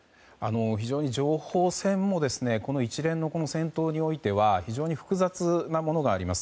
非常に情報戦もこの一連の戦闘においては非常に複雑なものがあります。